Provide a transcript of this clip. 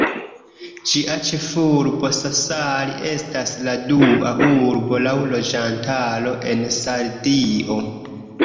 Ĝia ĉefurbo, Sassari, estas la dua urbo laŭ loĝantaro en Sardio.